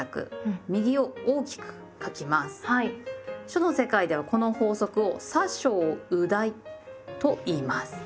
書の世界ではこの法則を「左小右大」と言います。